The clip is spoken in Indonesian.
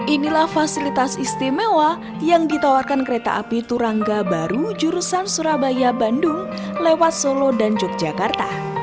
inilah fasilitas istimewa yang ditawarkan kereta api turangga baru jurusan surabaya bandung lewat solo dan yogyakarta